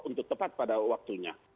untuk tepat pada waktunya